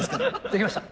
できました。